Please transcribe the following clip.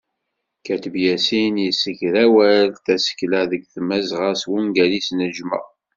Kateb Yasin yessegrawel tasekla deg Tmazɣa s wungal-is "Neǧma'.